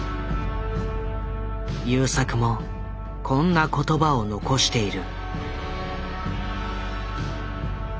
優作もこんな言葉を残している。